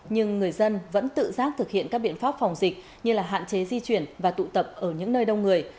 nhưng người dân vẫn tự giác thực hiện các biện pháp phòng dịch như hạn chế di chuyển và tụ tập ở những nơi đông người